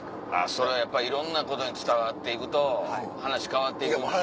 それはやっぱいろんなことに伝わっていくと話変わっていくんですね。